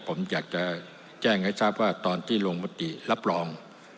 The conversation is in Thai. ผมอยากจะแจ้งให้ทราบว่าตอนที่ลงมติรับรอง